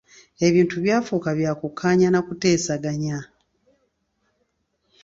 Ebintu byafuuka bya kukkaanya n'akuteesaganya.